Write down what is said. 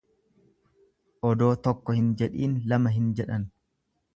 Odoo tokko hin jedhiin lama hin jedhan.